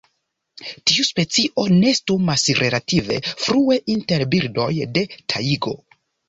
Tiu specio nestumas relative frue inter birdoj de Tajgo.